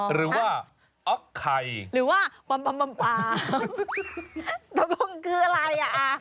อ๋อหรือว่าคังหรือว่าตกลงคืออะไรอ่ะ